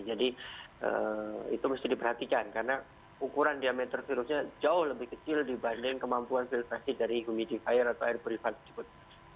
jadi itu mesti diperhatikan karena ukuran diameter virusnya jauh lebih kecil dibanding kemampuan filtrasi dari humidifier atau air purifar tersebut